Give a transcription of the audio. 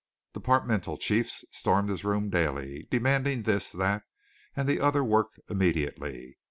Departmental chiefs stormed his room daily, demanding this, that, and the other work immediately.